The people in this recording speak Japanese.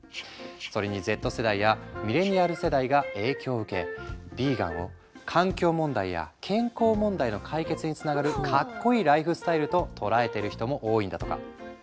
それにＺ世代やミレニアル世代が影響を受けヴィーガンを環境問題や健康問題の解決につながるかっこいいライフスタイルと捉えてる人も多いんだとか。